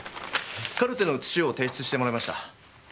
カルテの写しを提出してもらいました。